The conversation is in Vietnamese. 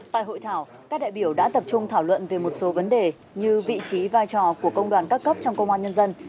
tại hội thảo các đại biểu đã tập trung thảo luận về một số vấn đề như vị trí vai trò của công đoàn các cấp trong công an nhân dân